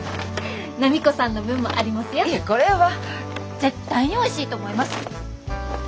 絶対においしいと思います！